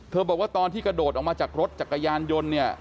บอกว่าตอนที่กระโดดออกมาจากรถจักรยานยนต์เนี่ย